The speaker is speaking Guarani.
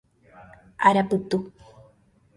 Arapytu.